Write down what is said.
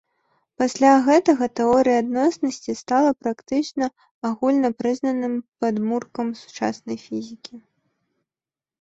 Пасля гэтага тэорыя адноснасці стала практычна агульнапрызнаным падмуркам сучаснай фізікі.